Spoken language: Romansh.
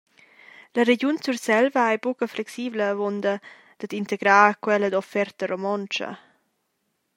La Regiun Surselva ei buca flexibla avunda dad integrar quella offerta romontscha.